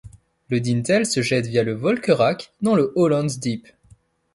Le Dintel se jette via le Volkerak dans le Hollands Diep.